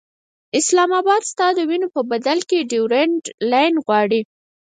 اسلام اباد ستا د وینو په بدل کې ډیورنډ لاین غواړي.